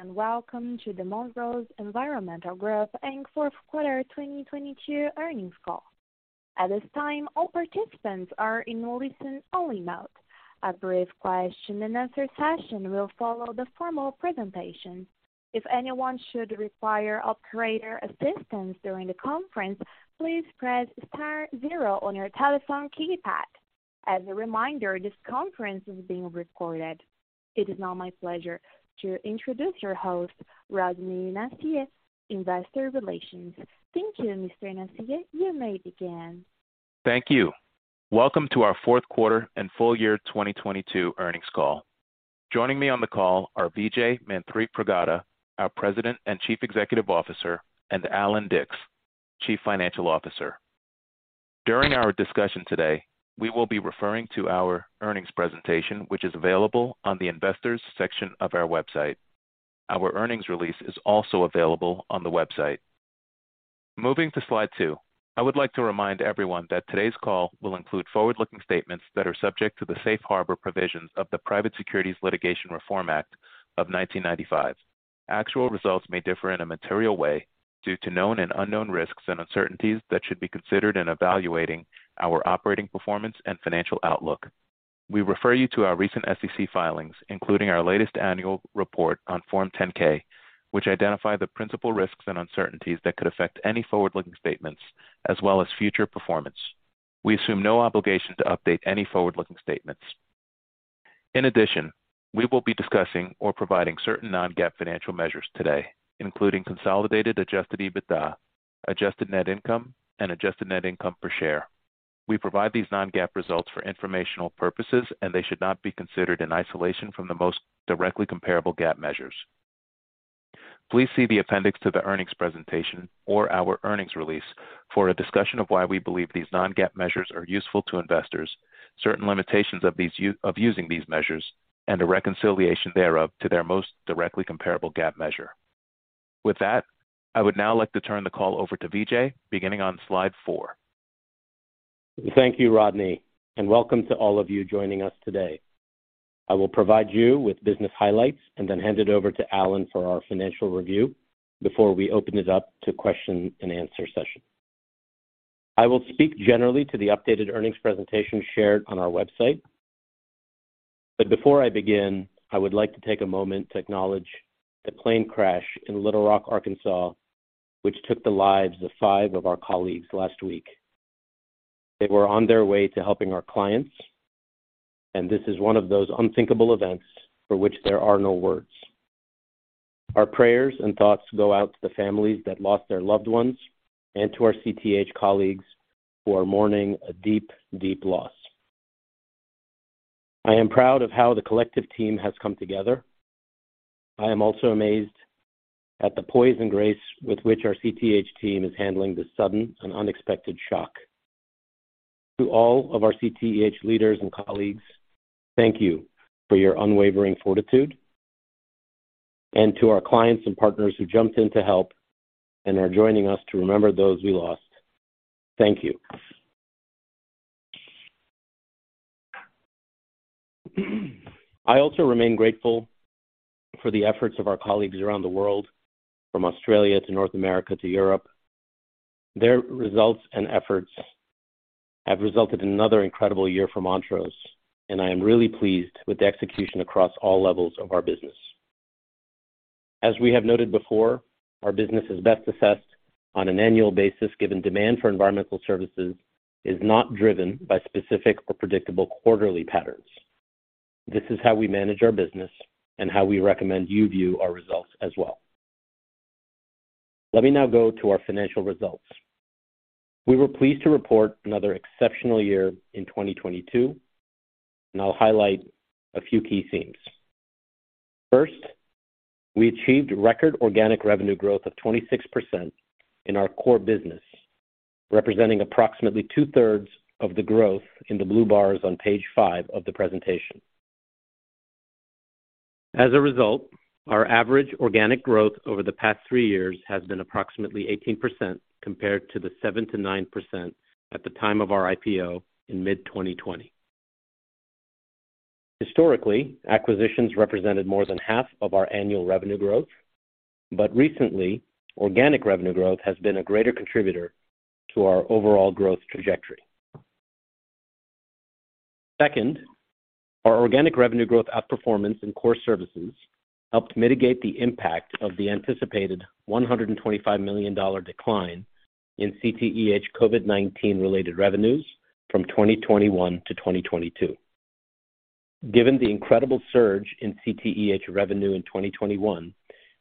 Greetings, welcome to the Montrose Environmental Group Inc. Fourth Quarter 2022 Earnings Call. At this time, all participants are in listen-only mode. A brief question-and-answer session will follow the formal presentation. If anyone should require operator assistance during the conference, please press star zero on your telephone keypad. As a reminder, this conference is being recorded. It is now my pleasure to introduce your host, Rodny Nacier, Investor Relations. Thank you, Mr. Nacier. You may begin. Thank you. Welcome to our fourth quarter and full year 2022 earnings call. Joining me on the call are Vijay Manthripragada, our President and Chief Executive Officer, and Allan Dicks, Chief Financial Officer. During our discussion today, we will be referring to our earnings presentation, which is available on the Investors section of our website. Our earnings release is also available on the website. Moving to slide two. I would like to remind everyone that today's call will include forward-looking statements that are subject to the safe harbor provisions of the Private Securities Litigation Reform Act of 1995. Actual results may differ in a material way due to known and unknown risks and uncertainties that should be considered in evaluating our operating performance and financial outlook. We refer you to our recent SEC filings, including our latest annual report on Form 10-K, which identify the principal risks and uncertainties that could affect any forward-looking statements as well as future performance. We assume no obligation to update any forward-looking statements. In addition, we will be discussing or providing certain non-GAAP financial measures today, including Consolidated Adjusted EBITDA, Adjusted Net Income, and Adjusted Net Income per share. We provide these non-GAAP results for informational purposes, and they should not be considered in isolation from the most directly comparable GAAP measures. Please see the appendix to the earnings presentation or our earnings release for a discussion of why we believe these non-GAAP measures are useful to investors, certain limitations of using these measures, and a reconciliation thereof to their most directly comparable GAAP measure. I would now like to turn the call over to Vijay, beginning on slide four. Thank you, Rodney, and welcome to all of you joining us today. I will provide you with business highlights and then hand it over to Allan for our financial review before we open it up to question-and-answer session. I will speak generally to the updated earnings presentation shared on our website. Before I begin, I would like to take a moment to acknowledge the plane crash in Little Rock, Arkansas, which took the lives of five of our colleagues last week. They were on their way to helping our clients, and this is one of those unthinkable events for which there are no words. Our prayers and thoughts go out to the families that lost their loved ones and to our CTEH colleagues who are mourning a deep, deep loss. I am proud of how the collective team has come together. I am also amazed at the poise and grace with which our CTEH team is handling this sudden and unexpected shock. To all of our CTEH leaders and colleagues, thank you for your unwavering fortitude. To our clients and partners who jumped in to help and are joining us to remember those we lost, thank you. I also remain grateful for the efforts of our colleagues around the world, from Australia to North America to Europe. Their results and efforts have resulted in another incredible year for Montrose. I am really pleased with the execution across all levels of our business. As we have noted before, our business is best assessed on an annual basis, given demand for environmental services is not driven by specific or predictable quarterly patterns. This is how we manage our business and how we recommend you view our results as well. Let me now go to our financial results. We were pleased to report another exceptional year in 2022, I'll highlight a few key themes. First, we achieved record organic revenue growth of 26% in our core business, representing approximately two-thirds of the growth in the blue bars on page five of the presentation. As a result, our average organic growth over the past three years has been approximately 18% compared to the 7%-9% at the time of our IPO in mid-2020. Historically, acquisitions represented more than half of our annual revenue growth, recently, organic revenue growth has been a greater contributor to our overall growth trajectory. Second, our organic revenue growth outperformance in core services helped mitigate the impact of the anticipated $125 million decline in CTEH COVID-19 related revenues from 2021 to 2022. Given the incredible surge in CTEH revenue in 2021,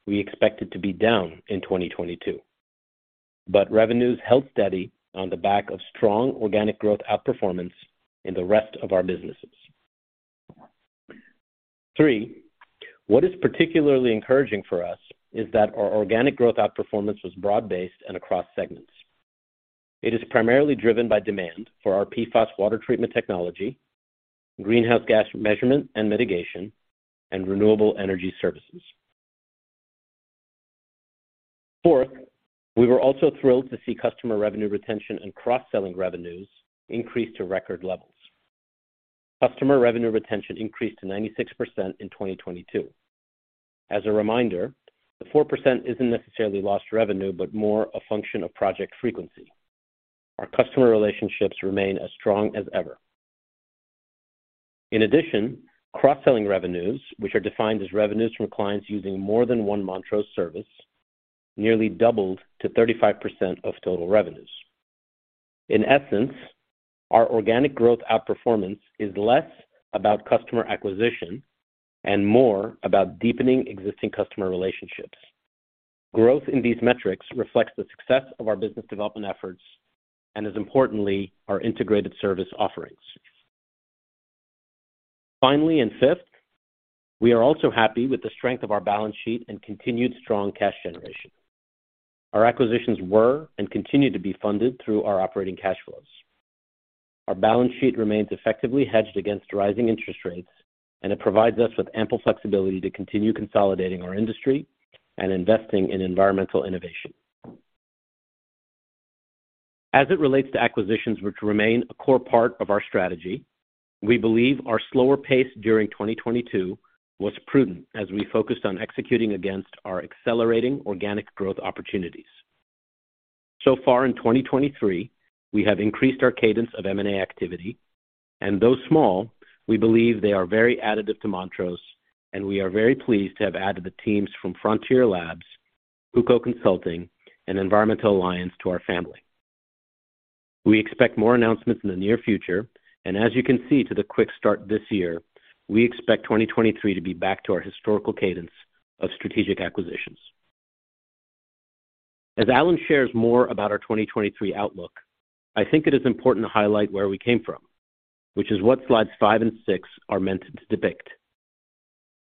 we expected to be down in 2022. Revenues held steady on the back of strong organic growth outperformance in the rest of our businesses. 3. What is particularly encouraging for us is that our organic growth outperformance was broad-based and across segments. It is primarily driven by demand for our PFAS water treatment technology, greenhouse gas measurement and mitigation, and renewable energy services. 4. We were also thrilled to see customer revenue retention and cross-selling revenues increase to record levels. Customer revenue retention increased to 96% in 2022. As a reminder, the 4% isn't necessarily lost revenue, but more a function of project frequency. Our customer relationships remain as strong as ever. In addition, cross-selling revenues, which are defined as revenues from clients using more than one Montrose service, nearly doubled to 35% of total revenues. In essence, our organic growth outperformance is less about customer acquisition and more about deepening existing customer relationships. Growth in these metrics reflects the success of our business development efforts and, as importantly, our integrated service offerings. Finally, and fifth, we are also happy with the strength of our balance sheet and continued strong cash generation. Our acquisitions were and continue to be funded through our operating cash flows. Our balance sheet remains effectively hedged against rising interest rates, and it provides us with ample flexibility to continue consolidating our industry and investing in environmental innovation. As it relates to acquisitions, which remain a core part of our strategy, we believe our slower pace during 2022 was prudent as we focused on executing against our accelerating organic growth opportunities. So far in 2023, we have increased our cadence of M&A activity, and though small, we believe they are very additive to Montrose, and we are very pleased to have added the teams from Frontier Labs, Huco Consulting, and Environmental Alliance to our family. We expect more announcements in the near future, and as you can see to the quick start this year, we expect 2023 to be back to our historical cadence of strategic acquisitions. As Allan shares more about our 2023 outlook, I think it is important to highlight where we came from, which is what slides five and six are meant to depict.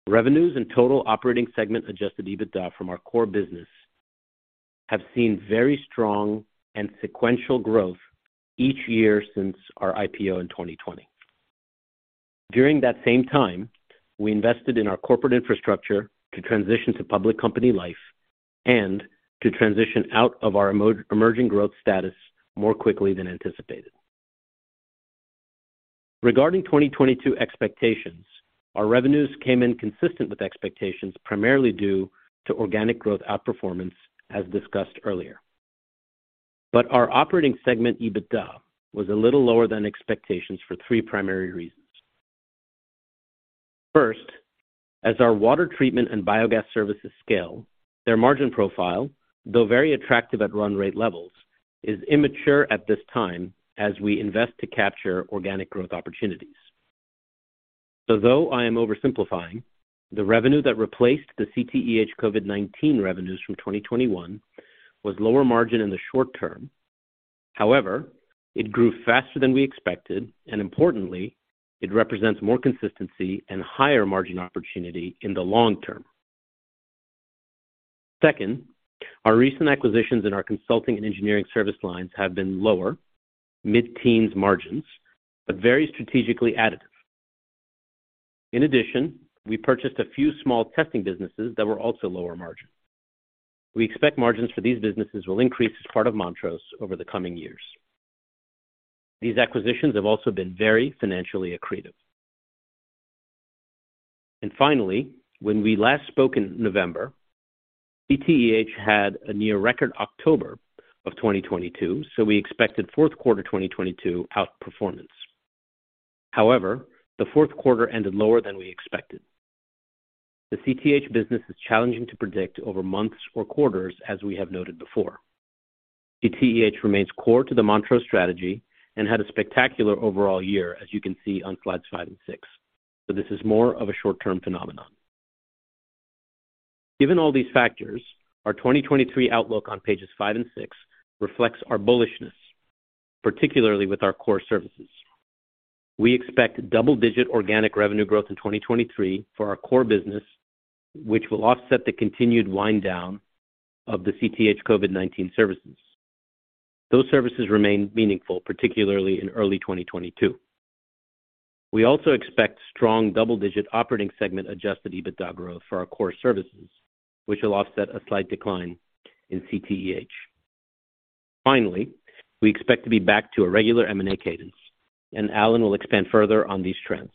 Revenues and total operating segment Adjusted EBITDA from our core business have seen very strong and sequential growth each year since our IPO in 2020. During that same time, we invested in our corporate infrastructure to transition to public company life and to transition out of our emerging growth status more quickly than anticipated. Regarding 2022 expectations, our revenues came in consistent with expectations, primarily due to organic growth outperformance, as discussed earlier. Our operating segment EBITDA was a little lower than expectations for three primary reasons. First, as our water treatment and biogas services scale, their margin profile, though very attractive at run rate levels, is immature at this time as we invest to capture organic growth opportunities. Though I am oversimplifying, the revenue that replaced the CTEH COVID-19 revenues from 2021 was lower margin in the short term. It grew faster than we expected, and importantly, it represents more consistency and higher margin opportunity in the long term. Our recent acquisitions in our consulting and engineering service lines have been lower, mid-teens margins, but very strategically additive. We purchased a few small testing businesses that were also lower margin. We expect margins for these businesses will increase as part of Montrose over the coming years. These acquisitions have also been very financially accretive. Finally, when we last spoke in November, CTEH had a near record October of 2022, we expected fourth quarter 2022 outperformance. The fourth quarter ended lower than we expected. The CTEH business is challenging to predict over months or quarters, as we have noted before. CTEH remains core to the Montrose strategy and had a spectacular overall year, as you can see on slides five and six. This is more of a short-term phenomenon. Given all these factors, our 2023 outlook on pages five and six reflects our bullishness, particularly with our core services. We expect double-digit organic revenue growth in 2023 for our core business, which will offset the continued wind down of the CTEH COVID-19 services. Those services remain meaningful, particularly in early 2022. We also expect strong double-digit operating segment Adjusted EBITDA growth for our core services, which will offset a slight decline in CTEH. Finally, we expect to be back to a regular M&A cadence, and Allan will expand further on these trends.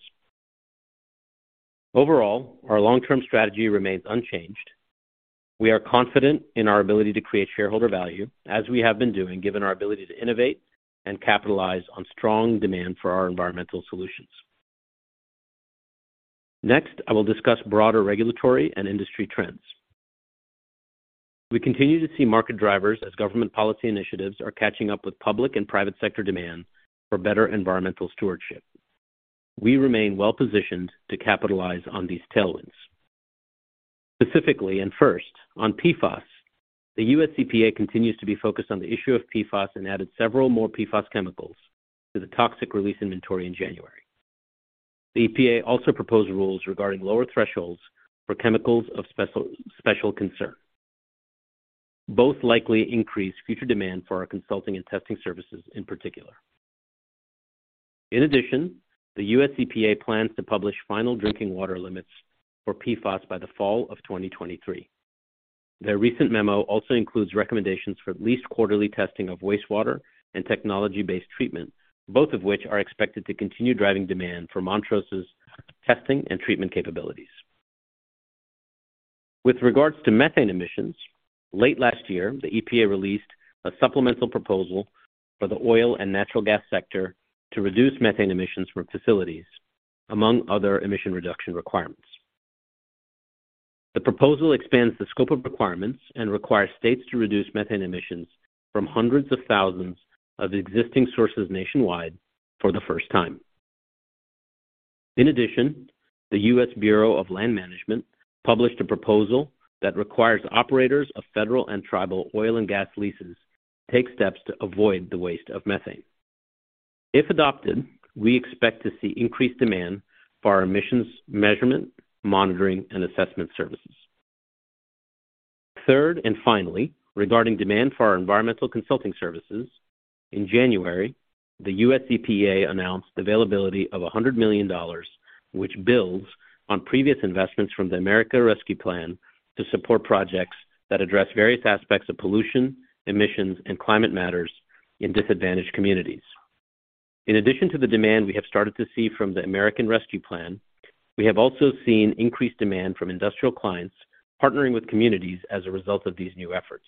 Overall, our long-term strategy remains unchanged. We are confident in our ability to create shareholder value as we have been doing, given our ability to innovate and capitalize on strong demand for our environmental solutions. I will discuss broader regulatory and industry trends. We continue to see market drivers as government policy initiatives are catching up with public and private sector demand for better environmental stewardship. We remain well-positioned to capitalize on these tailwinds. Specifically, first on PFAS, the U.S. EPA continues to be focused on the issue of PFAS and added several more PFAS chemicals to the Toxics Release Inventory in January. The EPA also proposed rules regarding lower thresholds for chemicals of special concern. Both likely increase future demand for our consulting and testing services in particular. In addition, the U.S. EPA plans to publish final drinking water limits for PFAS by the fall of 2023. Their recent memo also includes recommendations for at least quarterly testing of wastewater and technology-based treatment, both of which are expected to continue driving demand for Montrose's testing and treatment capabilities. With regards to methane emissions, late last year, the EPA released a supplemental proposal for the oil and natural gas sector to reduce methane emissions from facilities, among other emission reduction requirements. The proposal expands the scope of requirements and requires states to reduce methane emissions from hundreds of thousands of existing sources nationwide for the first time. In addition, the U.S. Bureau of Land Management published a proposal that requires operators of federal and tribal oil and gas leases to take steps to avoid the waste of methane. If adopted, we expect to see increased demand for our emissions measurement, monitoring, and assessment services. Third, finally, regarding demand for our environmental consulting services, in January, the U.S. EPA announced availability of $100 million, which builds on previous investments from the American Rescue Plan to support projects that address various aspects of pollution, emissions, and climate matters in disadvantaged communities. In addition to the demand we have started to see from the American Rescue Plan, we have also seen increased demand from industrial clients partnering with communities as a result of these new efforts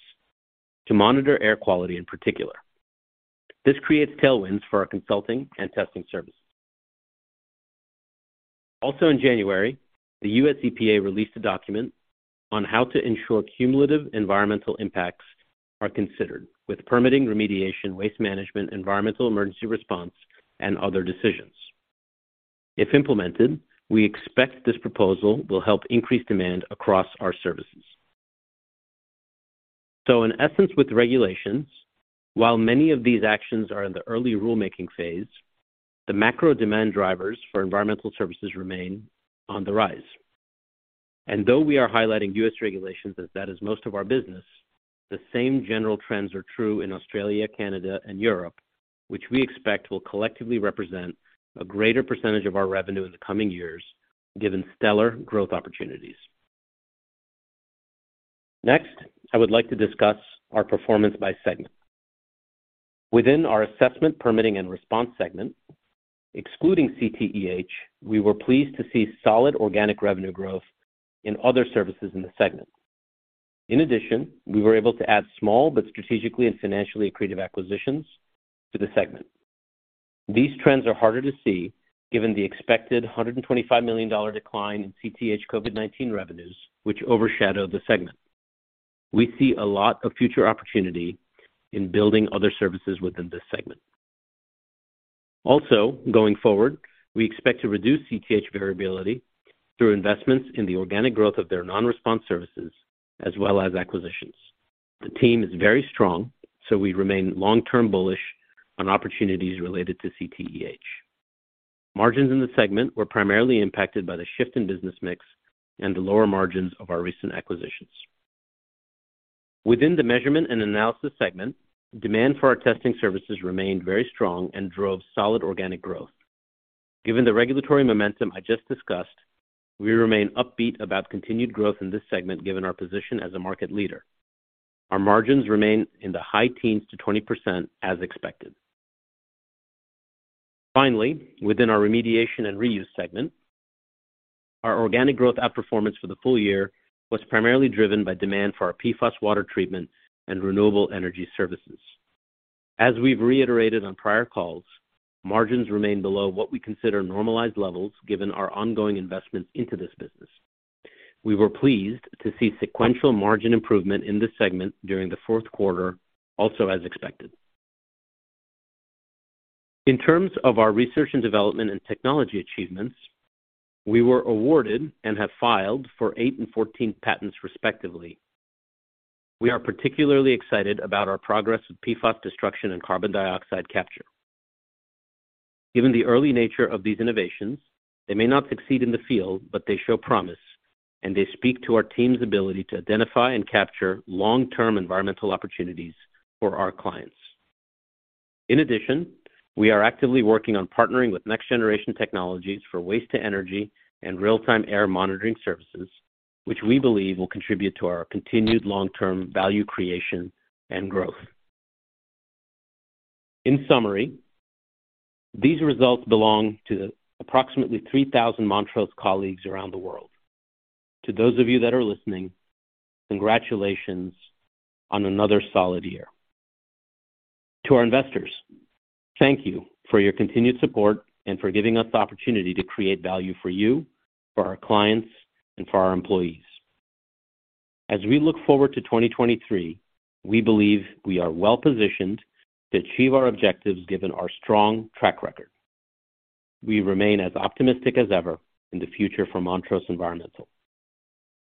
to monitor air quality in particular. This creates tailwinds for our consulting and testing services. In January, the U.S. EPA released a document on how to ensure cumulative environmental impacts are considered with permitting remediation, waste management, environmental emergency response, and other decisions. If implemented, we expect this proposal will help increase demand across our services. In essence, with regulations, while many of these actions are in the early rulemaking phase, the macro demand drivers for environmental services remain on the rise. Though we are highlighting U.S. regulations as that is most of our business, the same general trends are true in Australia, Canada, and Europe, which we expect will collectively represent a greater % of our revenue in the coming years, given stellar growth opportunities. Next, I would like to discuss our performance by segment. Within our assessment, permitting, and response segment, excluding CTEH, we were pleased to see solid organic revenue growth in other services in the segment. In addition, we were able to add small but strategically and financially creative acquisitions to the segment. These trends are harder to see given the expected $125 million decline in CTEH COVID-19 revenues, which overshadow the segment. We see a lot of future opportunity in building other services within this segment. Going forward, we expect to reduce CTEH variability through investments in the organic growth of their non-response services as well as acquisitions. The team is very strong, we remain long-term bullish on opportunities related to CTEH. Margins in the segment were primarily impacted by the shift in business mix and the lower margins of our recent acquisitions. Within the measurement and analysis segment, demand for our testing services remained very strong and drove solid organic growth. Given the regulatory momentum I just discussed, we remain upbeat about continued growth in this segment given our position as a market leader. Our margins remain in the high teens to 20% as expected. Finally, within our remediation and reuse segment, our organic growth outperformance for the full year was primarily driven by demand for our PFAS water treatment and renewable energy services. As we've reiterated on prior calls, margins remain below what we consider normalized levels given our ongoing investments into this business. We were pleased to see sequential margin improvement in this segment during the fourth quarter, also as expected. In terms of our research and development and technology achievements, we were awarded and have filed for eight and 14 patents respectively. We are particularly excited about our progress with PFAS destruction and carbon dioxide capture. Given the early nature of these innovations, they may not succeed in the field, but they show promise, and they speak to our team's ability to identify and capture long-term environmental opportunities for our clients. In addition, we are actively working on partnering with next-generation technologies for waste-to-energy and real-time air monitoring services, which we believe will contribute to our continued long-term value creation and growth. In summary, these results belong to the approximately 3,000 Montrose colleagues around the world. To those of you that are listening, congratulations on another solid year. To our investors, thank you for your continued support and for giving us the opportunity to create value for you, for our clients, and for our employees. As we look forward to 2023, we believe we are well-positioned to achieve our objectives given our strong track record. We remain as optimistic as ever in the future for Montrose Environmental.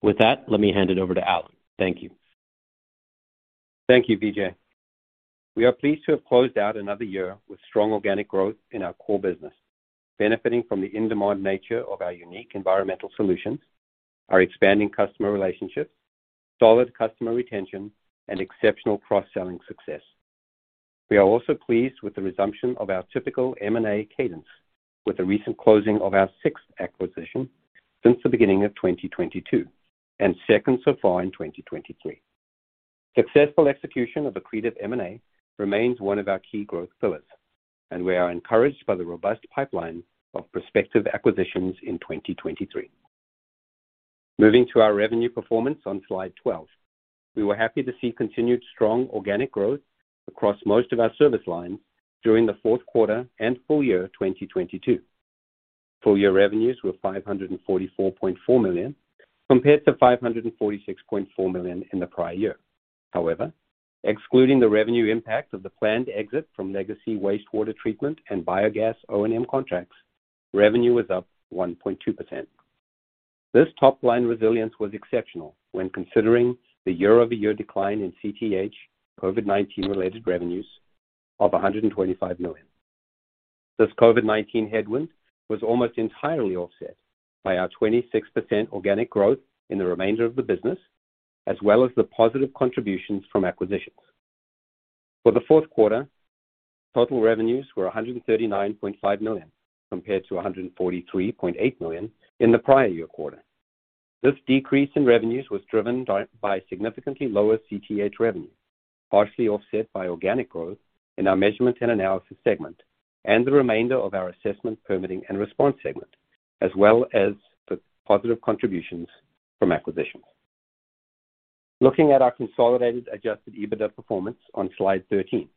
With that, let me hand it over to Allan. Thank you. Thank you, Vijay. We are pleased to have closed out another year with strong organic growth in our core business, benefiting from the in-demand nature of our unique environmental solutions, our expanding customer relationship, solid customer retention, and exceptional cross-selling success. We are also pleased with the resumption of our typical M&A cadence with the recent closing of our sixth acquisition since the beginning of 2022 and second so far in 2023. Successful execution of accretive M&A remains one of our key growth pillars, and we are encouraged by the robust pipeline of prospective acquisitions in 2023. Moving to our revenue performance on slide 12. We were happy to see continued strong organic growth across most of our service lines during the fourth quarter and full year 2022. Full year revenues were $544.4 million, compared to $546.4 million in the prior year. Excluding the revenue impact of the planned exit from legacy wastewater treatment and biogas O&M contracts, revenue was up 1.2%. This top-line resilience was exceptional when considering the year-over-year decline in CTEH COVID-19 related revenues of $125 million. This COVID-19 headwind was almost entirely offset by our 26% organic growth in the remainder of the business, as well as the positive contributions from acquisitions. For the fourth quarter, total revenues were $139.5 million, compared to $143.8 million in the prior year quarter. This decrease in revenues was driven by significantly lower CTEH revenues, partially offset by organic growth in our measurements and analysis segment and the remainder of our assessment permitting and response segment, as well as the positive contributions from acquisitions. Looking at our Consolidated Adjusted EBITDA performance on slide 13.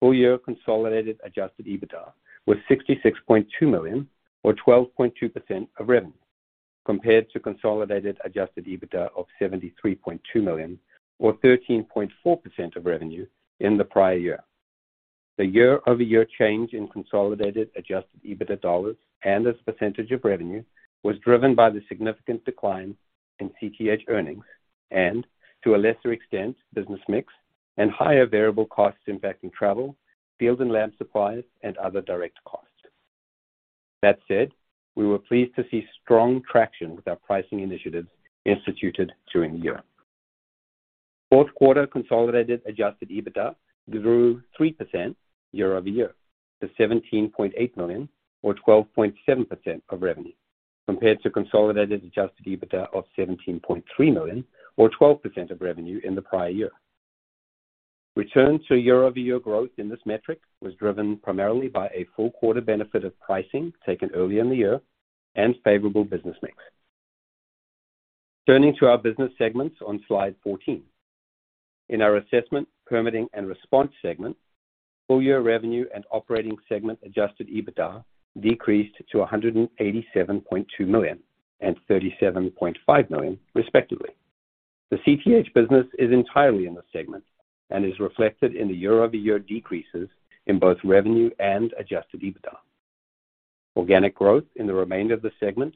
Full year Consolidated Adjusted EBITDA was $66.2 million or 12.2% of revenue, compared to Consolidated Adjusted EBITDA of $73.2 million or 13.4% of revenue in the prior year. The year-over-year change in Consolidated Adjusted EBITDA dollars and as a percentage of revenue was driven by the significant decline in CTEH earnings and to a lesser extent, business mix and higher variable costs impacting travel, field and lab supplies, and other direct costs. We were pleased to see strong traction with our pricing initiatives instituted during the year. Fourth quarter Consolidated Adjusted EBITDA grew 3% year-over-year to $17.8 million or 12.7% of revenue, compared to Consolidated Adjusted EBITDA of $17.3 million or 12% of revenue in the prior year. Return to year-over-year growth in this metric was driven primarily by a full quarter benefit of pricing taken early in the year and favorable business mix. Turning to our business segments on slide 14. In our assessment, permitting and response segment, full year revenue and operating segment Adjusted EBITDA decreased to $187.2 million and $37.5 million, respectively. The CTEH business is entirely in this segment and is reflected in the year-over-year decreases in both revenue and Adjusted EBITDA. Organic growth in the remainder of the segment,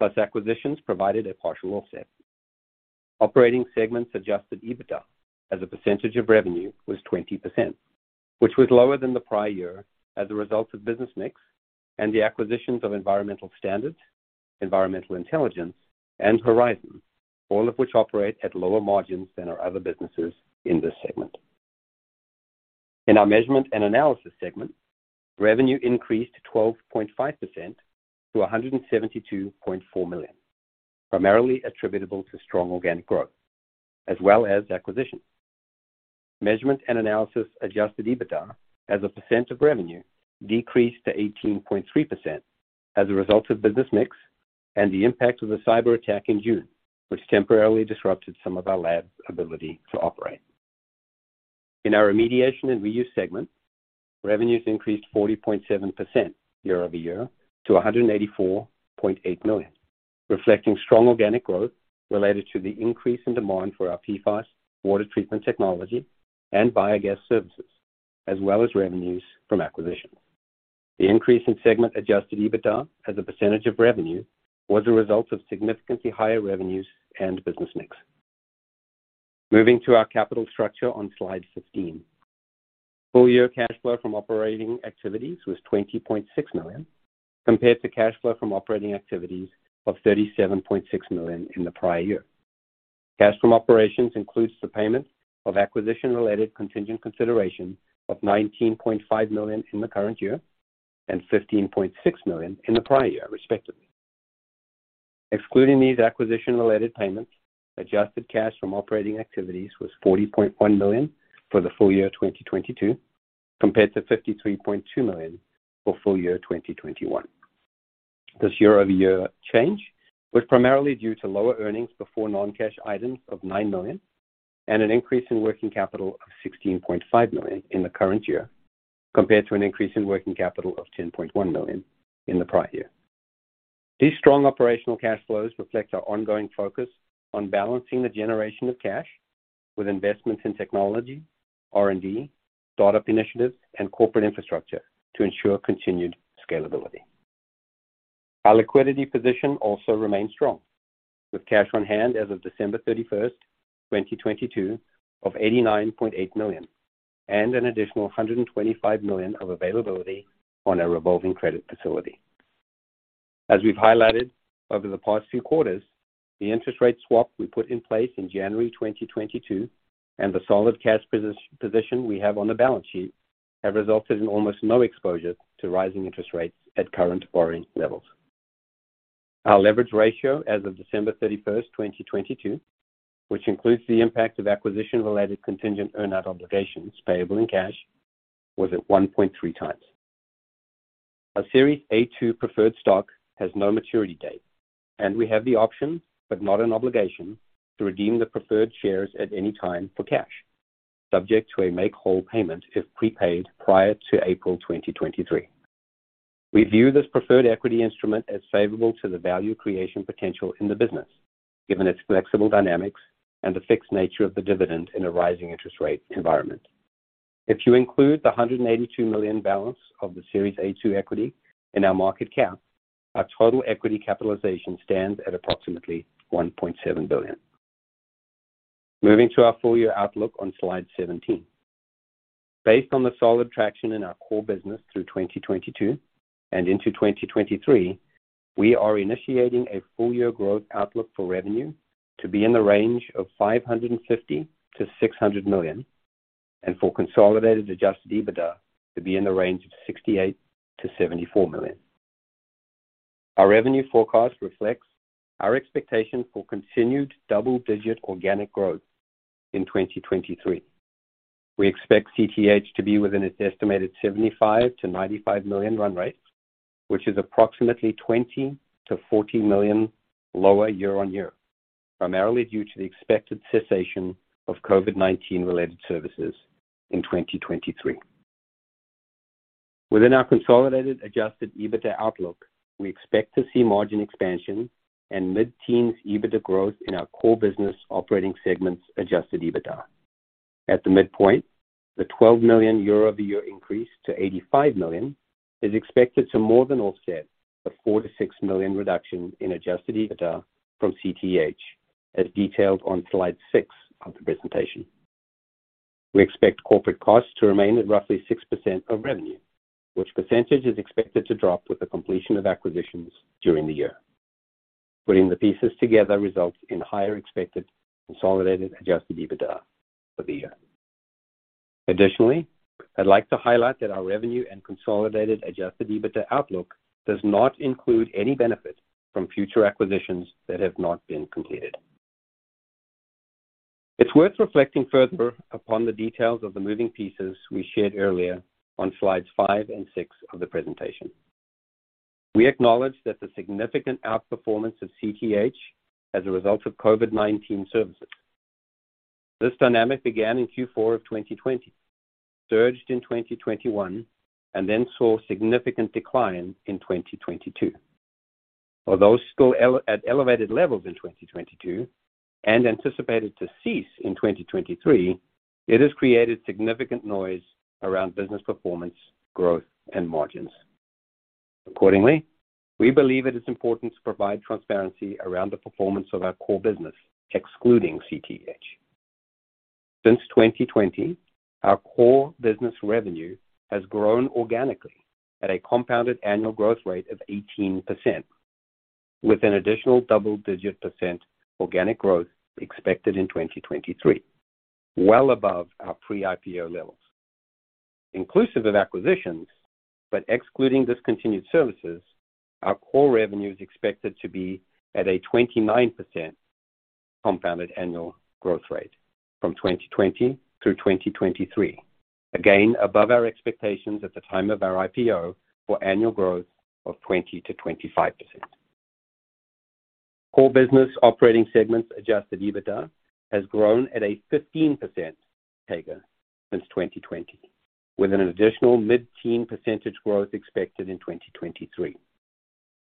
plus acquisitions provided a partial offset. Operating segments Adjusted EBITDA as a percentage of revenue was 20%, which was lower than the prior year as a result of business mix and the acquisitions of Environmental Standards, Environmental Intelligence and Horizon, all of which operate at lower margins than our other businesses in this segment. In our measurement and analysis segment, revenue increased 12.5% to $172.4 million, primarily attributable to strong organic growth as well as acquisitions. Measurement and analysis Adjusted EBITDA as a percent of revenue decreased to 18.3% as a result of business mix and the impact of the cyber attack in June, which temporarily disrupted some of our lab's ability to operate. In our remediation and reuse segment, revenues increased 40.7% year-over-year to $184.8 million, reflecting strong organic growth related to the increase in demand for our PFAS water treatment technology and biogas services, as well as revenues from acquisitions. The increase in segment Adjusted EBITDA as a % of revenue was a result of significantly higher revenues and business mix. Moving to our capital structure on slide 15. Full year cash flow from operating activities was $20.6 million, compared to cash flow from operating activities of $37.6 million in the prior year. Cash from operations includes the payment of acquisition-related contingent consideration of $19.5 million in the current year and $15.6 million in the prior year, respectively. Excluding these acquisition-related payments, adjusted cash from operating activities was $40.1 million for the full year 2022, compared to $53.2 million for full year 2021. This year-over-year change was primarily due to lower earnings before non-cash items of $9 million and an increase in working capital of $16.5 million in the current year, compared to an increase in working capital of $10.1 million in the prior year. These strong operational cash flows reflect our ongoing focus on balancing the generation of cash with investments in technology, R&D, startup initiatives, and corporate infrastructure to ensure continued scalability. Our liquidity position also remains strong with cash on hand as of December 31st, 2022, of $89.8 million and an additional $125 million of availability on our revolving credit facility. As we've highlighted over the past few quarters, the interest rate swap we put in place in January 2022, and the solid cash position we have on the balance sheet, have resulted in almost no exposure to rising interest rates at current borrowing levels. Our leverage ratio as of December 31st, 2022, which includes the impact of acquisition-related contingent earn-out obligations payable in cash, was at 1.3 times. Our Series A-2 preferred stock has no maturity date, and we have the option, but not an obligation, to redeem the preferred shares at any time for cash, subject to a make-whole payment if prepaid prior to April 2023. We view this preferred equity instrument as favorable to the value creation potential in the business, given its flexible dynamics and the fixed nature of the dividend in a rising interest rate environment. If you include the $182 million balance of the Series A-2 equity in our market cap, our total equity capitalization stands at approximately $1.7 billion. Moving to our full year outlook on slide 17. Based on the solid traction in our core business through 2022 and into 2023, we are initiating a full year growth outlook for revenue to be in the range of $550 million-$600 million, and for Consolidated Adjusted EBITDA to be in the range of $68 million-$74 million. Our revenue forecast reflects our expectation for continued double-digit organic growth in 2023. We expect CTEH to be within its estimated $75 million-$95 million run rate, which is approximately $20 million-$40 million lower year-on-year, primarily due to the expected cessation of COVID-19 related services in 2023. Within our consolidated adjusted EBITDA outlook, we expect to see margin expansion and mid-teens EBITDA growth in our core business operating segments adjusted EBITDA. At the midpoint, the $12 million year-over-year increase to $85 million is expected to more than offset the $4 million-$6 million reduction in adjusted EBITDA from CTEH, as detailed on slide six of the presentation. We expect corporate costs to remain at roughly 6% of revenue, which percentage is expected to drop with the completion of acquisitions during the year. Putting the pieces together results in higher expected consolidated adjusted EBITDA for the year. I'd like to highlight that our revenue and Consolidated Adjusted EBITDA outlook does not include any benefit from future acquisitions that have not been completed. It's worth reflecting further upon the details of the moving pieces we shared earlier on slides five and six of the presentation. We acknowledge that the significant outperformance of CTEH as a result of COVID-19 services. This dynamic began in Q4 of 2020, surged in 2021, saw significant decline in 2022. Although still at elevated levels in 2022 and anticipated to cease in 2023, it has created significant noise around business performance, growth, and margins. We believe it is important to provide transparency around the performance of our core business, excluding CTEH. Since 2020, our core business revenue has grown organically at a compounded annual growth rate of 18%, with an additional double-digit % organic growth expected in 2023, well above our pre-IPO levels. Inclusive of acquisitions, but excluding discontinued services, our core revenue is expected to be at a 29% compounded annual growth rate from 2020 through 2023. Above our expectations at the time of our IPO for annual growth of 20%-25%. Core business operating segments Adjusted EBITDA has grown at a 15% CAGR since 2020, with an additional mid-teen percentage growth expected in 2023.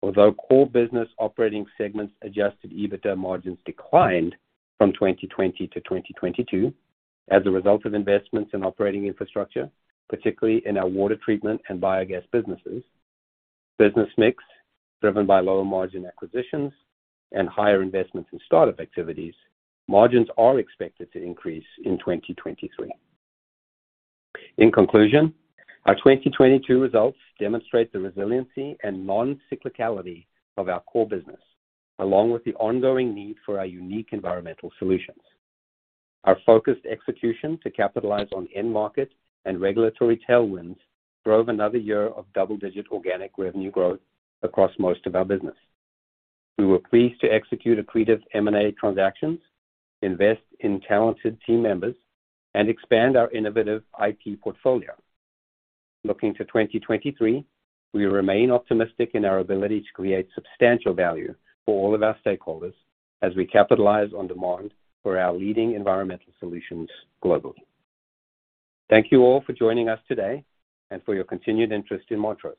Although core business operating segments Adjusted EBITDA margins declined from 2020 to 2022 as a result of investments in operating infrastructure, particularly in our water treatment and biogas businesses, business mix driven by lower margin acquisitions and higher investments in start-up activities, margins are expected to increase in 2023. In conclusion, our 2022 results demonstrate the resiliency and non-cyclicality of our core business, along with the ongoing need for our unique environmental solutions. Our focused execution to capitalize on end market and regulatory tailwinds drove another year of double-digit organic revenue growth across most of our business. We were pleased to execute accretive M&A transactions, invest in talented team members, and expand our innovative IP portfolio. Looking to 2023, we remain optimistic in our ability to create substantial value for all of our stakeholders as we capitalize on demand for our leading environmental solutions globally. Thank you all for joining us today and for your continued interest in Montrose.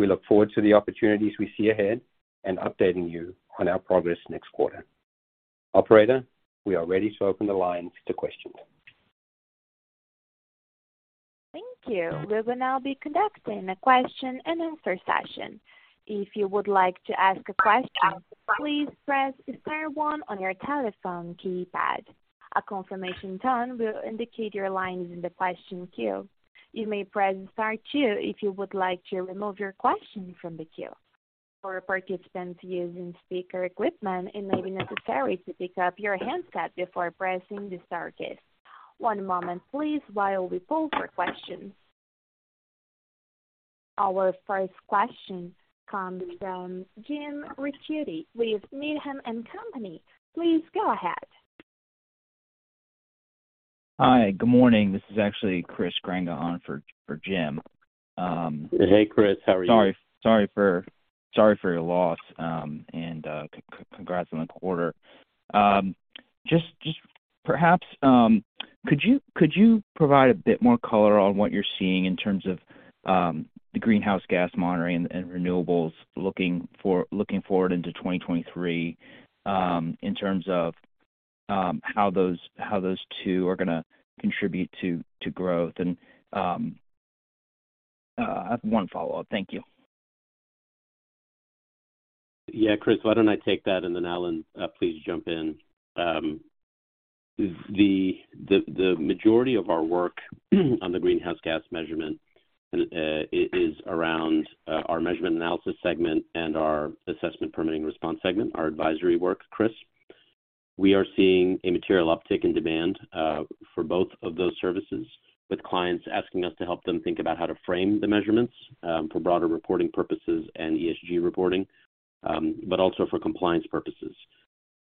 We look forward to the opportunities we see ahead and updating you on our progress next quarter. Operator, we are ready to open the lines to questions. Thank you. We will now be conducting a question and answer session. If you would like to ask a question, please press star one on your telephone keypad. A confirmation tone will indicate your line is in the question queue. You may press star two if you would like to remove your question from the queue. For participants using speaker equipment, it may be necessary to pick up your handset before pressing the star key. One moment please while we pull for questions. Our first question comes from Jim Ricchiuti with Needham & Company. Please go ahead. Hi, good morning. This is actually Chris Grenga on for Jim. Hey, Chris, how are you? Sorry for your loss, and congrats on the quarter. Just perhaps, could you provide a bit more color on what you're seeing in terms of the greenhouse gas monitoring and renewables looking forward into 2023, in terms of how those two are gonna contribute to growth? I have one follow-up. Thank you. Yeah. Chris, why don't I take that, then Allan, please jump in. The majority of our work on the greenhouse gas measurement is around our measurement analysis segment and our assessment permitting response segment, our advisory work, Chris. We are seeing a material uptick in demand for both of those services, with clients asking us to help them think about how to frame the measurements for broader reporting purposes and ESG reporting, also for compliance purposes.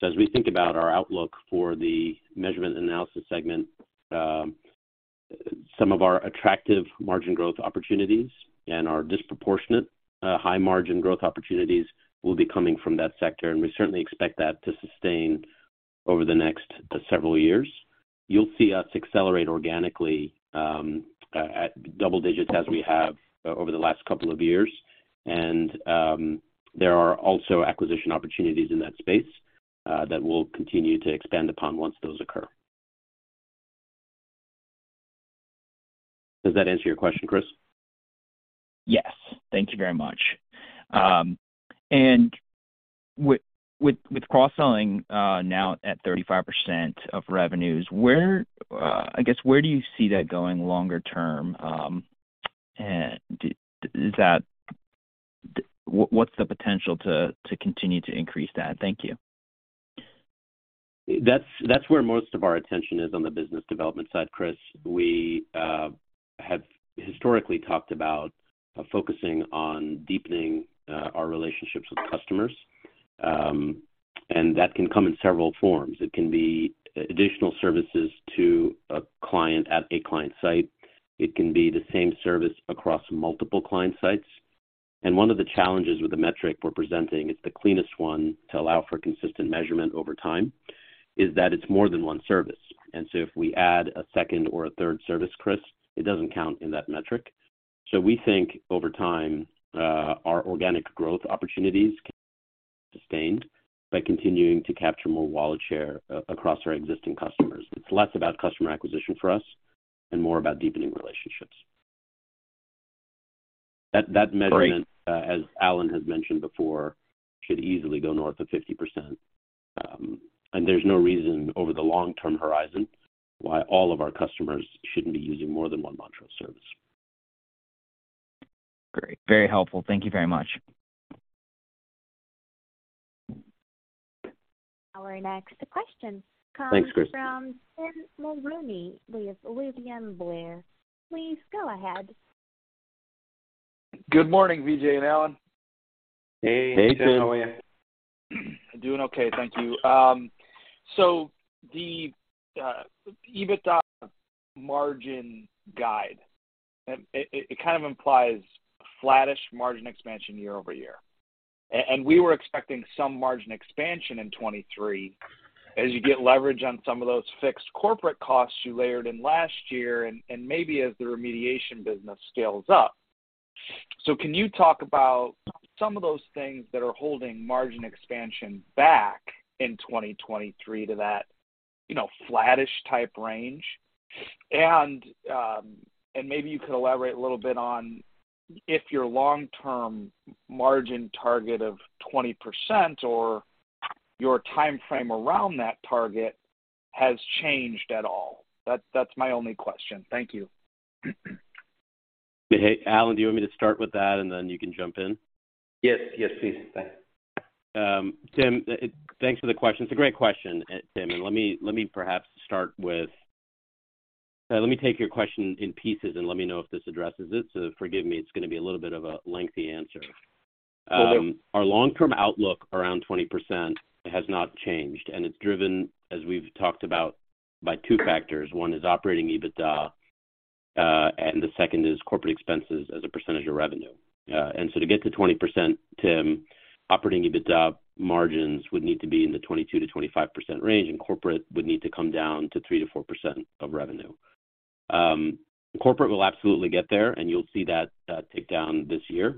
As we think about our outlook for the measurement analysis segment, some of our attractive margin growth opportunities and our disproportionate high margin growth opportunities will be coming from that sector, and we certainly expect that to sustain over the next several years. You'll see us accelerate organically, at double digits as we have over the last couple of years. There are also acquisition opportunities in that space, that we'll continue to expand upon once those occur. Does that answer your question, Chris? Yes. Thank you very much. With cross-selling now at 35% of revenues, where I guess, where do you see that going longer term? What's the potential to continue to increase that? Thank you. That's where most of our attention is on the business development side, Chris. We have historically talked about focusing on deepening our relationships with customers, and that can come in several forms. It can be additional services to a client at a client site. It can be the same service across multiple client sites. One of the challenges with the metric we're presenting, it's the cleanest one to allow for consistent measurement over time, is that it's more than one service. If we add a second or a third service, Chris, it doesn't count in that metric. We think over time, our organic growth opportunities can be sustained by continuing to capture more wallet share across our existing customers. It's less about customer acquisition for us and more about deepening relationships. Great. That measurement, as Allan has mentioned before, could easily go north of 50%. There's no reason over the long-term horizon why all of our customers shouldn't be using more than one Montrose service. Great. Very helpful. Thank you very much. Our next question. Thanks, Chris.... from Tim Mulrooney with William Blair. Please go ahead. Good morning, Vijay and Allan. Hey, Tim. How are you? Hey, Tim. Doing okay. Thank you. The EBITDA margin guide kind of implies flattish margin expansion year-over-year. We were expecting some margin expansion in 2023 as you get leverage on some of those fixed corporate costs you layered in last year and maybe as the remediation business scales up. Can you talk about some of those things that are holding margin expansion back in 2023 to that, you know, flattish type range? Maybe you could elaborate a little bit on if your long-term margin target of 20% or your timeframe around that target has changed at all. That's my only question. Thank you. Hey, Allan, do you want me to start with that, and then you can jump in? Yes. Yes, please. Thanks. Tim, thanks for the question. It's a great question, Tim, and let me perhaps start with... let me take your question in pieces and let me know if this addresses it. Forgive me, it's gonna be a little bit of a lengthy answer. No worries. Our long-term outlook around 20% has not changed. It's driven, as we've talked about, by two factors. One is operating EBITDA, and the second is corporate expenses as a percentage of revenue. To get to 20%, Tim, operating EBITDA margins would need to be in the 22%-25% range, and corporate would need to come down to 3%-4% of revenue. Corporate will absolutely get there, and you'll see that tick down this year.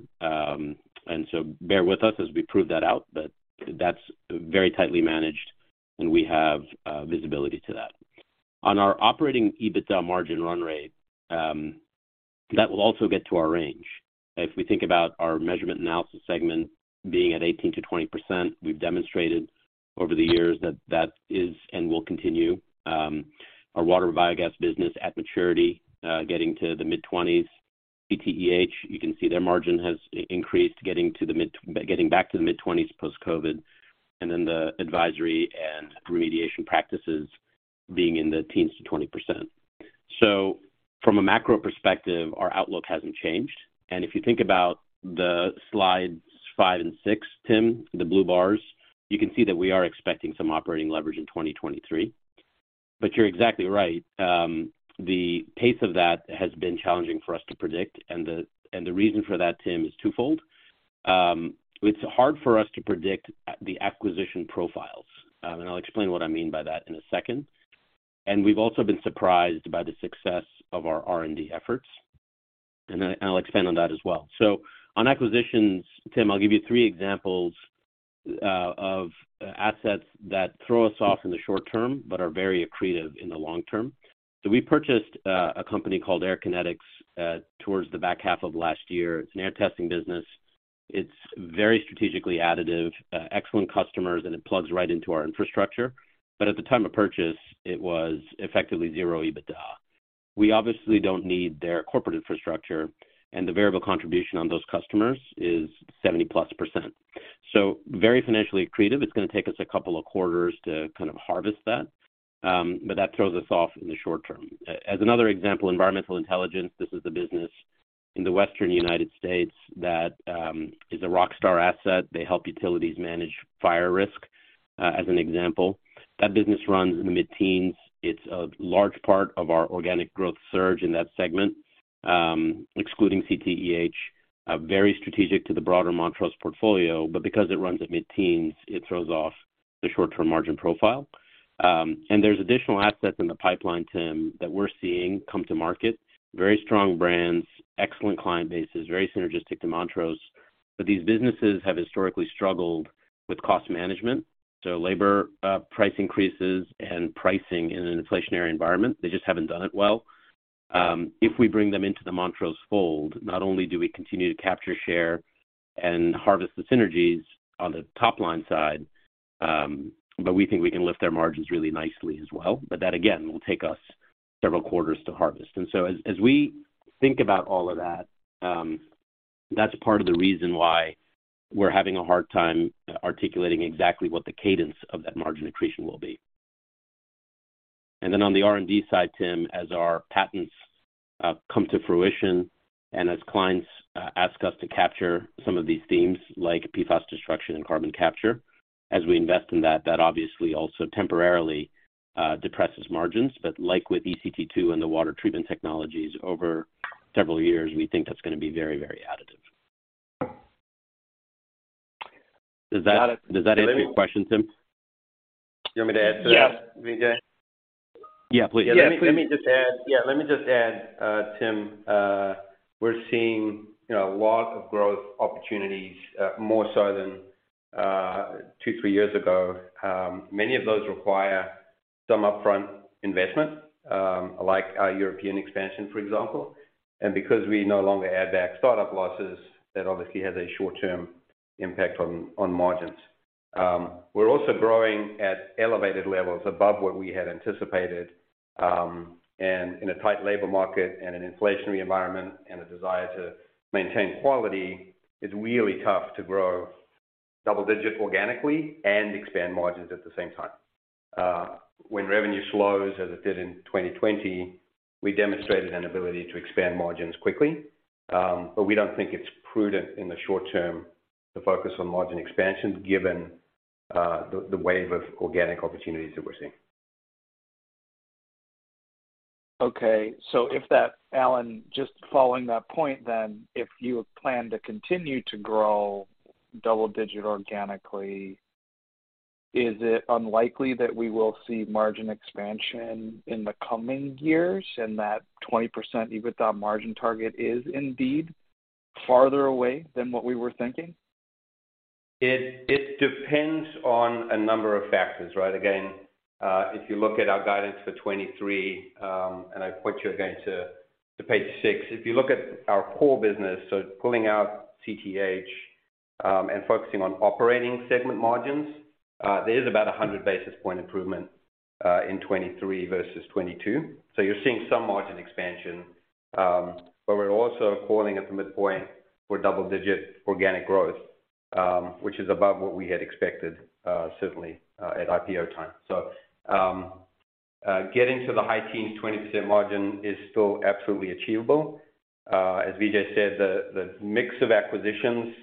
Bear with us as we prove that out, but that's very tightly managed, and we have visibility to that. On our operating EBITDA margin run rate, that will also get to our range. If we think about our measurement analysis segment being at 18%-20%, we've demonstrated over the years that that is and will continue. Our water biogas business at maturity, getting to the mid-20s. CTEH, you can see their margin has increased, getting back to the mid-20s post-COVID. The advisory and remediation practices being in the teens to 20%. From a macro perspective, our outlook hasn't changed. If you think about the slides five and six, Tim, the blue bars, you can see that we are expecting some operating leverage in 2023. You're exactly right. The pace of that has been challenging for us to predict. The reason for that, Tim, is twofold. It's hard for us to predict the acquisition profiles. I'll explain what I mean by that in a second. We've also been surprised by the success of our R&D efforts, and I'll expand on that as well. On acquisitions, Tim, I'll give you three examples of assets that throw us off in the short term but are very accretive in the long term. We purchased a company called AirKinetics, Inc. towards the back half of last year. It's an air testing business. It's very strategically additive, excellent customers, and it plugs right into our infrastructure. At the time of purchase, it was effectively 0 EBITDA. We obviously don't need their corporate infrastructure, and the variable contribution on those customers is 70%+. Very financially accretive. It's gonna take us a couple of quarters to kind of harvest that, but that throws us off in the short term. As another example, Environmental Intelligence. This is the business in the Western United States that is a rock star asset. They help utilities manage fire risk as an example. That business runs in the mid-teens. It's a large part of our organic growth surge in that segment, excluding CTEH, very strategic to the broader Montrose portfolio. Because it runs at mid-teens, it throws off the short-term margin profile. There's additional assets in the pipeline, Tim, that we're seeing come to market. Very strong brands, excellent client bases, very synergistic to Montrose. These businesses have historically struggled with cost management, so labor, price increases and pricing in an inflationary environment. They just haven't done it well. If we bring them into the Montrose fold, not only do we continue to capture share and harvest the synergies on the top-line side, but we think we can lift their margins really nicely as well. That again, will take us several quarters to harvest. As we think about all of that's part of the reason why we're having a hard time articulating exactly what the cadence of that margin accretion will be. On the R&D side, Tim, as our patents come to fruition and as clients ask us to capture some of these themes, like PFAS destruction and carbon capture, as we invest in that, obviously also temporarily depresses margins. Like with ECT2 and the water treatment technologies over several years, we think that's gonna be very additive. Does that answer your question, Tim? You want me to answer that? Yeah. Vijay? Yeah, please. Let me just add. Yeah, let me just add, Tim. We're seeing, you know, a lot of growth opportunities, more so than two, three years ago. Many of those require some upfront investment, like our European expansion, for example. Because we no longer add back startup losses, that obviously has a short-term impact on margins. We're also growing at elevated levels above what we had anticipated, and in a tight labor market and an inflationary environment and a desire to maintain quality, it's really tough to grow double digit organically and expand margins at the same time. When revenue slows, as it did in 2020, we demonstrated an ability to expand margins quickly. We don't think it's prudent in the short term to focus on margin expansion given the wave of organic opportunities that we're seeing. Allan, just following that point, if you plan to continue to grow double-digit organically, is it unlikely that we will see margin expansion in the coming years, and that 20% EBITDA margin target is indeed farther away than what we were thinking? It depends on a number of factors, right? Again, if you look at our guidance for 23, and I point you again to page six. If you look at our core business, so pulling out CTEH, and focusing on operating segment margins, there is about a 100 basis point improvement in 23 versus 22. You're seeing some margin expansion. But we're also calling at the midpoint for double-digit organic growth, which is above what we had expected, certainly, at IPO time. Getting to the high teens, 20% margin is still absolutely achievable. As Vijay said, the mix of acquisitions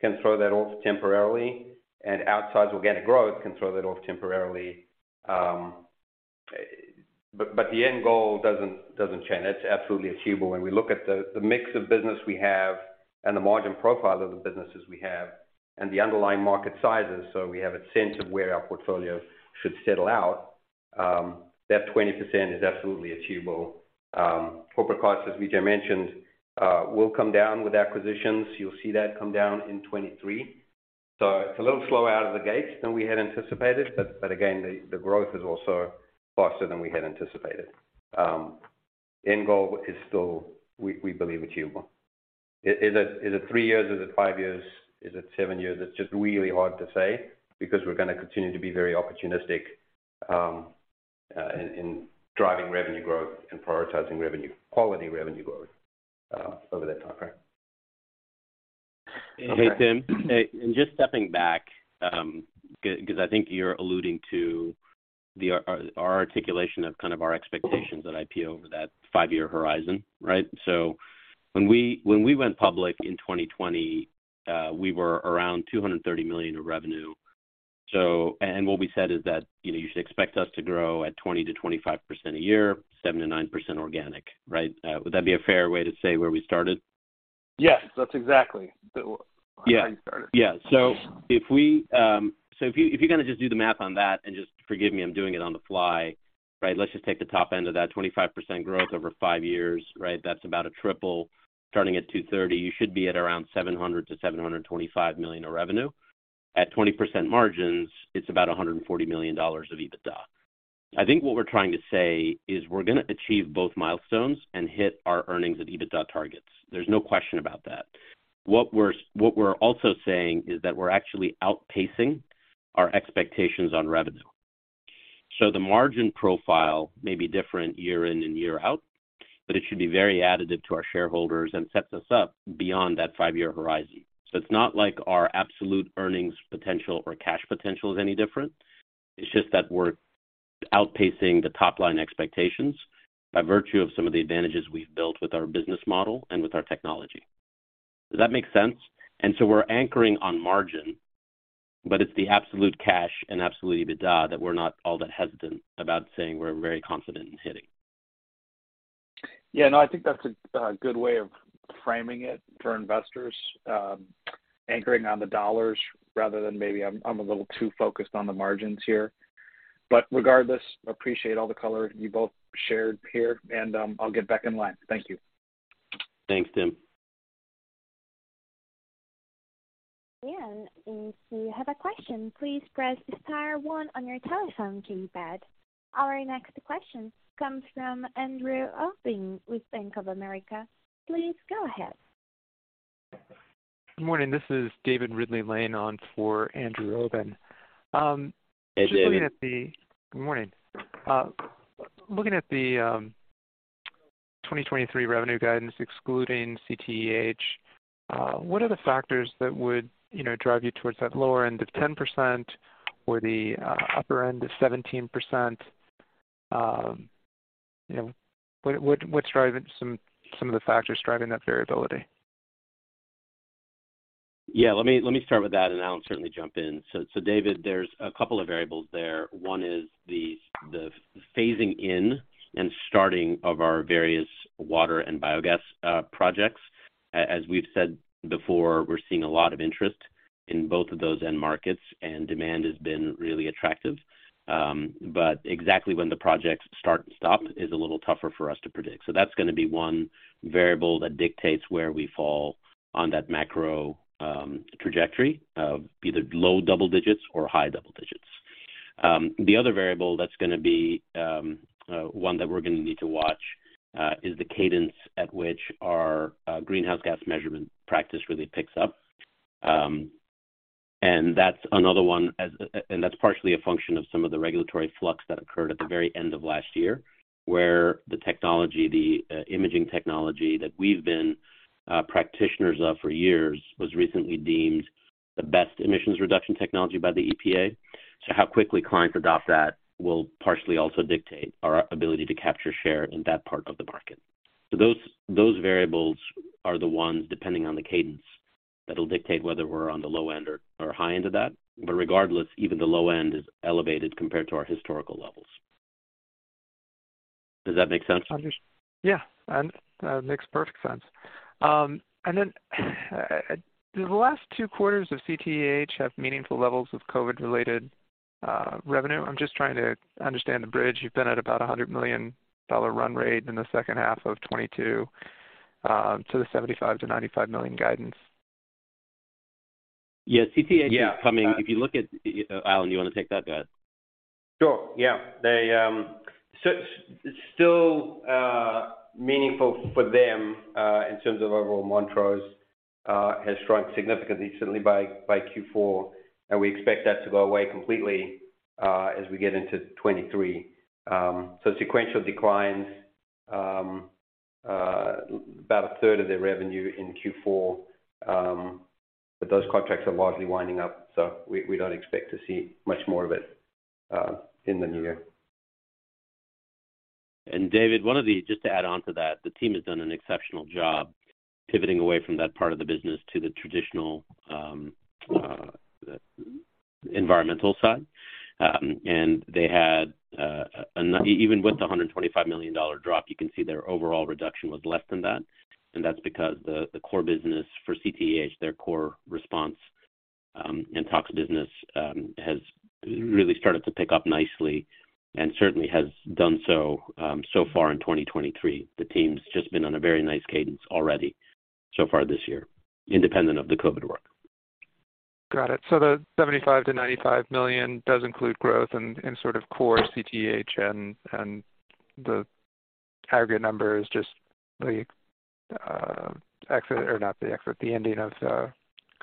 can throw that off temporarily, and outsized organic growth can throw that off temporarily. But the end goal doesn't change. It's absolutely achievable. When we look at the mix of business we have and the margin profile of the businesses we have and the underlying market sizes, so we have a sense of where our portfolio should settle out, that 20% is absolutely achievable. Corporate costs, as Vijay mentioned, will come down with acquisitions. You'll see that come down in 2023. It's a little slow out of the gate than we had anticipated, but again, the growth is also faster than we had anticipated. End goal is still we believe achievable. Is it three years? Is it five years? Is it 7 years? It's just really hard to say because we're gonna continue to be very opportunistic in driving revenue growth and prioritizing revenue, quality revenue growth over that time frame. Hey, Tim. Hey, just stepping back, because I think you're alluding to our articulation of kind of our expectations at IPO over that five-year horizon, right? When we went public in 2020, we were around $230 million in revenue. What we said is that, you know, you should expect us to grow at 20%-25% a year, 7%-9% organic, right? Would that be a fair way to say where we started? Yes. That's exactly the. Yeah. Where you started. Yeah. If you, if you kinda just do the math on that, and just forgive me, I'm doing it on the fly, right? Let's just take the top end of that. 25% growth over five years, right? That's about a triple. Starting at $230, you should be at around $700 million-$725 million of revenue. At 20% margins, it's about $140 million of EBITDA. I think what we're trying to say is we're gonna achieve both milestones and hit our earnings and EBITDA targets. There's no question about that. What we're also saying is that we're actually outpacing our expectations on revenue. The margin profile may be different year in and year out, but it should be very additive to our shareholders and sets us up beyond that five-year horizon. It's not like our absolute earnings potential or cash potential is any different. It's just that we're outpacing the top-line expectations by virtue of some of the advantages we've built with our business model and with our technology. Does that make sense? We're anchoring on margin, but it's the absolute cash and absolute EBITDA that we're not all that hesitant about saying we're very confident in hitting. Yeah, no, I think that's a good way of framing it for investors, anchoring on the dollars rather than maybe I'm a little too focused on the margins here. Regardless, appreciate all the color you both shared here, and, I'll get back in line. Thank you. Thanks, Tim. Again, if you have a question, please press star one on your telephone keypad. Our next question comes from Andrew Obin with Bank of America. Please go ahead. Good morning. This is David Ridley-Lane on for Andrew Obin. Hey, David. Good morning. Looking at the 2023 revenue guidance excluding CTEH, what are the factors that would, you know, drive you towards that lower end of 10% or the upper end of 17%? You know, what's driving some of the factors driving that variability? Yeah. Let me start with that, and Allan will certainly jump in. David, there's a couple of variables there. One is the phasing in and starting of our various water and biogas projects. As we've said before, we're seeing a lot of interest in both of those end markets, and demand has been really attractive. Exactly when the projects start and stop is a little tougher for us to predict. That's gonna be one variable that dictates where we fall on that macro trajectory of either low double digits or high double digits. The other variable that's gonna be one that we're gonna need to watch is the cadence at which our greenhouse gas measurement practice really picks up. That's another one as... That's partially a function of some of the regulatory flux that occurred at the very end of last year, where the technology, the imaging technology that we've been practitioners of for years was recently deemed the best emissions reduction technology by the EPA. How quickly clients adopt that will partially also dictate our ability to capture share in that part of the market. Those variables are the ones, depending on the cadence, that'll dictate whether we're on the low end or high end of that. Regardless, even the low end is elevated compared to our historical levels. Does that make sense? Yeah. That makes perfect sense. Do the last two quarters of CTEH have meaningful levels of COVID-related revenue? I'm just trying to understand the bridge. You've been at about a $100 million run rate in the second half of 2022 to the $75 million-$95 million guidance. Yeah. CTEH is. Yeah. Allan, you wanna take that guy? Sure, yeah. They still meaningful for them in terms of overall Montrose has shrunk significantly certainly by Q4, and we expect that to go away completely as we get into 2023. Sequential declines about a third of their revenue in Q4, but those contracts are largely winding up, so we don't expect to see much more of it in the new year. David, just to add on to that, the team has done an exceptional job pivoting away from that part of the business to the traditional environmental side. They had even with the $125 million drop, you can see their overall reduction was less than that, and that's because the core business for CTEH, their core response, and tox business, Really started to pick up nicely and certainly has done so so far in 2023. The team's just been on a very nice cadence already so far this year, independent of the COVID work. Got it. The $75 million-$95 million does include growth in sort of core CTEH and the aggregate numbers just not the exit, the ending of the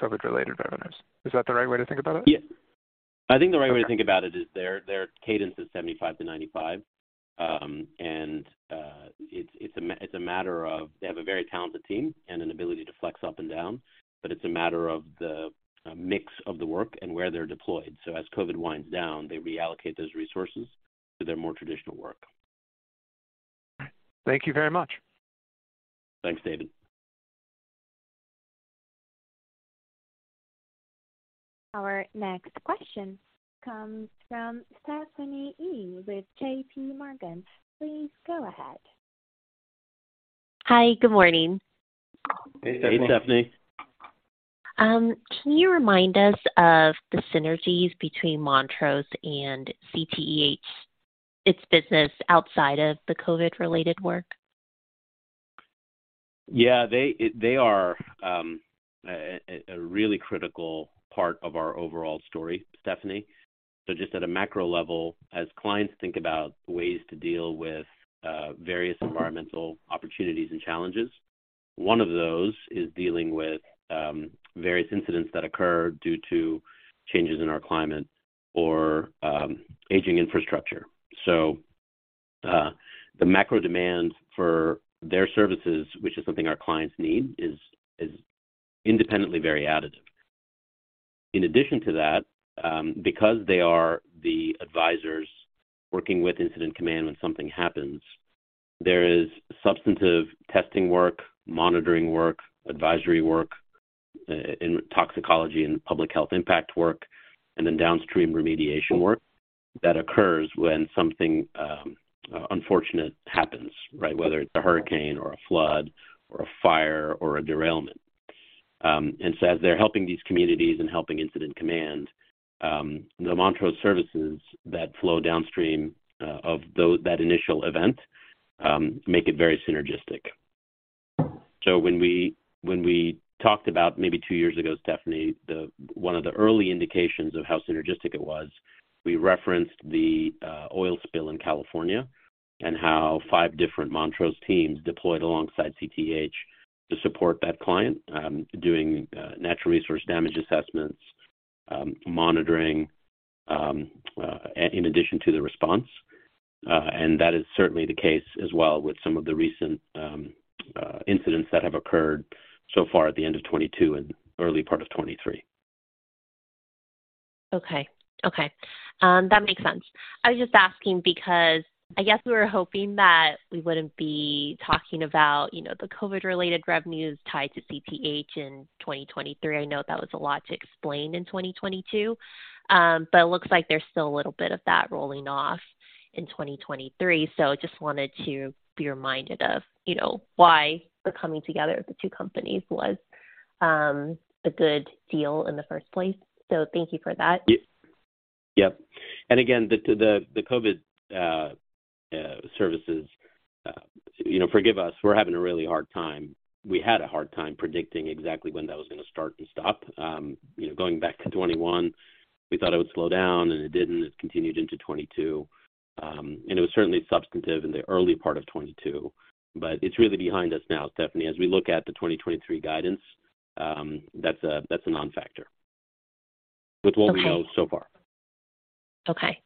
COVID-related revenues. Is that the right way to think about it? Yeah. I think the right way to think about it is their cadence is 75-95. It's a matter of they have a very talented team and an ability to flex up and down, but it's a matter of the mix of the work and where they're deployed. As COVID winds down, they reallocate those resources to their more traditional work. Thank you very much. Thanks, David. Our next question comes from Stephanie Yee with JPMorgan. Please go ahead. Hi, good morning. Hey, Stephanie. Can you remind us of the synergies between Montrose and CTEH, its business outside of the COVID-related work? Yeah. They are a really critical part of our overall story, Stephanie. Just at a macro level, as clients think about ways to deal with various environmental opportunities and challenges, one of those is dealing with various incidents that occur due to changes in our climate or aging infrastructure. The macro demand for their services, which is something our clients need, is independently very additive. In addition to that, because they are the advisors working with incident command when something happens, there is substantive testing work, monitoring work, advisory work in toxicology and public health impact work, and then downstream remediation work that occurs when something unfortunate happens, right? Whether it's a hurricane or a flood or a fire or a derailment. As they're helping these communities and helping incident command, the Montrose services that flow downstream of that initial event make it very synergistic. When we talked about maybe two years ago, Stephanie, one of the early indications of how synergistic it was, we referenced the oil spill in California and how five different Montrose teams deployed alongside CTEH to support that client, doing natural resource damage assessments, monitoring, in addition to the response. That is certainly the case as well with some of the recent incidents that have occurred so far at the end of 2022 and early part of 2023. Okay. Okay. That makes sense. I was just asking because I guess we were hoping that we wouldn't be talking about, you know, the COVID-related revenues tied to CTEH in 2023. I know that was a lot to explain in 2022. It looks like there's still a little bit of that rolling off in 2023. Just wanted to be reminded of, you know, why the coming together of the two companies was a good deal in the first place. Thank you for that. Yep. Again, the COVID services, you know, forgive us, we had a hard time predicting exactly when that was gonna start and stop. You know, going back to 2021, we thought it would slow down, and it didn't. It continued into 2022. It was certainly substantive in the early part of 2022, but it's really behind us now, Stephanie. As we look at the 2023 guidance, that's a non-factor. Okay. with what we know so far. Okay.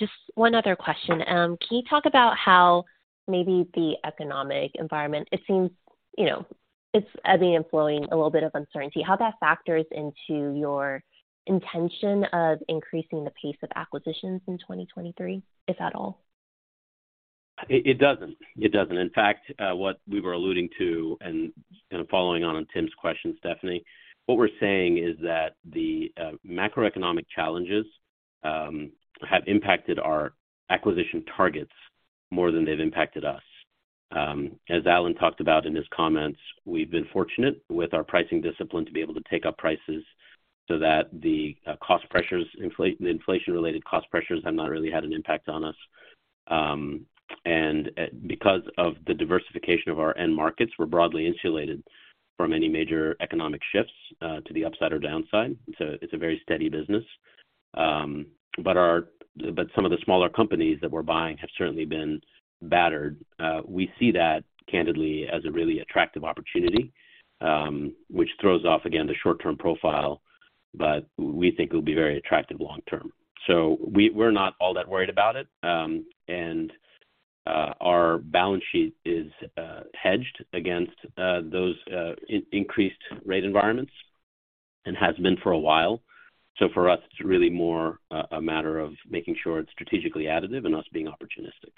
Just one other question. Can you talk about how maybe the economic environment, it seems, you know, it's ebbing and flowing a little bit of uncertainty, how that factors into your intention of increasing the pace of acquisitions in 2023, if at all? It doesn't. It doesn't. In fact, what we were alluding to and following on Tim's question, Stephanie, what we're saying is that the macroeconomic challenges have impacted our acquisition targets more than they've impacted us. As Allan talked about in his comments, we've been fortunate with our pricing discipline to be able to take up prices so that the cost pressures, the inflation-related cost pressures have not really had an impact on us. And because of the diversification of our end markets, we're broadly insulated from any major economic shifts to the upside or downside. It's a very steady business. Some of the smaller companies that we're buying have certainly been battered. We see that candidly as a really attractive opportunity, which throws off again the short-term profile, but we think it'll be very attractive long term. We're not all that worried about it. Our balance sheet is hedged against those increased rate environments and has been for a while. For us, it's really more a matter of making sure it's strategically additive and us being opportunistic.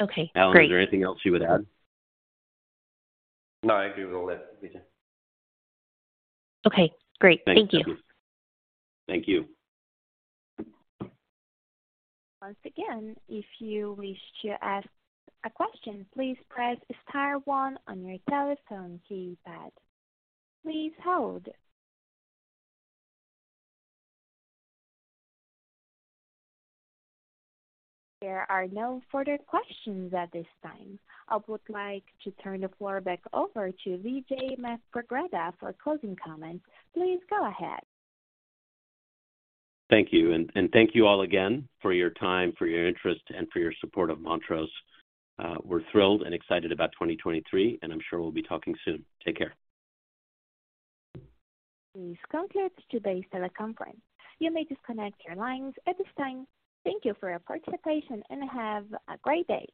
Okay, great. Allan, is there anything else you would add? No, I agree with all that, Vijay. Okay, great. Thank you. Thanks, Stephanie. Thank you. Once again, if you wish to ask a question, please press star one on your telephone keypad. Please hold. There are no further questions at this time. I would like to turn the floor back over to Vijay Manthripragada for closing comments. Please go ahead. Thank you. Thank you all again for your time, for your interest, and for your support of Montrose. We're thrilled and excited about 2023, and I'm sure we'll be talking soon. Take care. This concludes today's teleconference. You may disconnect your lines at this time. Thank you for your participation, and have a great day.